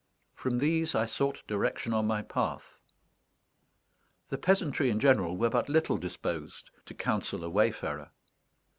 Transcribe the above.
From these I sought direction on my path. The peasantry in general were but little disposed to counsel a wayfarer.